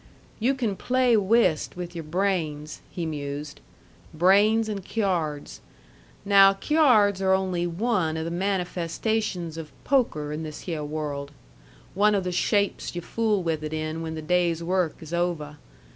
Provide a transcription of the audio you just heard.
"You can play whist with your brains," he mused, "brains and cyards. Now cyards are only one o' the manifestations of poker in this hyeh world. One o' the shapes yu fool with it in when the day's work is oveh.